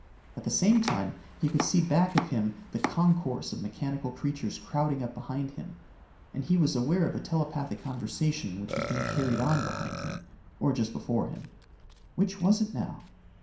At the same time he could see back of him the concourse of mechanical creatures crowding up behind him, and he was aware of a telepathic conversation which was being carried on behind him or just before him. Which was it now?